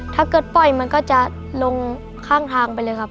ถ้าเกิดปล่อยมันก็จะลงข้างทางไปเลยครับ